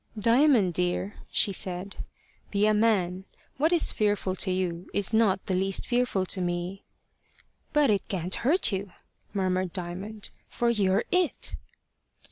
"Diamond, dear," she said, "be a man. What is fearful to you is not the least fearful to me." "But it can't hurt you," murmured Diamond, "for you're it."